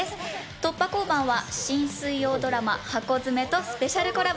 突破交番は新水曜ドラマ『ハコヅメ』とスペシャルコラボ。